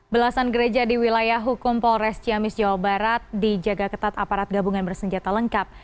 belasan gereja di wilayah hukum polres ciamis jawa barat dijaga ketat aparat gabungan bersenjata lengkap